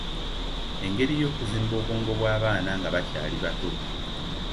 Engeri y’okuzimba obwongo bw'abaana nga bakyali bato.